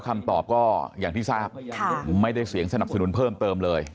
ไม่ได้เสียงสนับสนุนเพิ่มเติมเลย